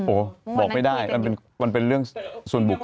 โอ้โหบอกไม่ได้มันเป็นเรื่องส่วนบุคค